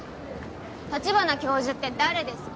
立花教授って誰ですか？